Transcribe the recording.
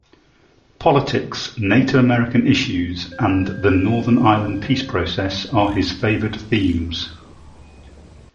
Politics, Native American issues and the Northern Ireland peace process are his favored themes.